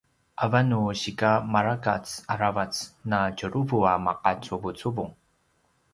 avan nu sika marakac aravac na tjuruvu a maqacuvucuvung